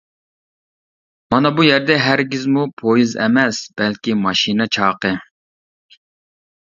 مانا بۇ يەردە ھەرگىزمۇ پويىز ئەمەس، بەلكى ماشىنا چاقى.